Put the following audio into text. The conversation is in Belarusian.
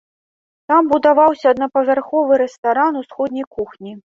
Там будаваўся аднапавярховы рэстаран усходняй кухні.